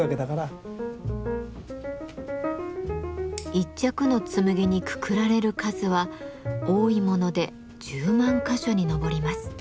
１着の紬にくくられる数は多いもので１０万か所に上ります。